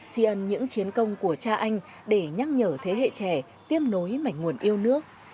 chỉ ăn những chiến công của cha anh để nhắc nhở thế hệ trẻ tiêm nối mảnh nguồn yêu nước